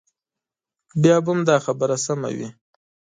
بیا به هم دا خبره سمه وي.